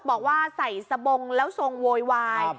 บอกว่าใส่สบงแล้วทรงโวยวาย